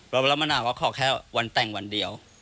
แล้วละมณาว่าขอแค่วันแต่งวันเดียว